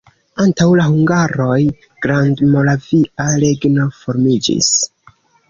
Antaŭ la hungaroj Grandmoravia regno formiĝis.